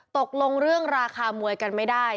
ตกลงเรื่องราคามวยกันไม่ได้